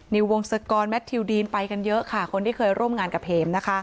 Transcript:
วงศกรแมททิวดีนไปกันเยอะค่ะคนที่เคยร่วมงานกับเห็มนะคะ